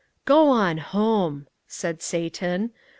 "Go on home," said Satan.